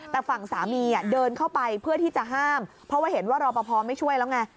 แต่ฝั่งสามีเดินเข้าไปเพื่อที่จะห้ามเพราะว่าเห็นว่ารอปภไม่ช่วยแล้วไง